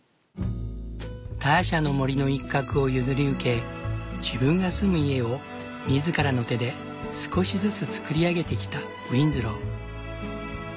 ターシャの森の一画を譲り受け自分が住む家を自らの手で少しずつ造り上げてきたウィンズロー。